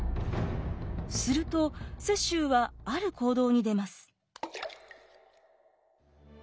すると雪洲はある行動に出ます。